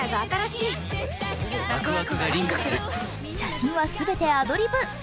写真は全てアドリブ。